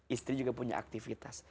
istri juga punya aktivitas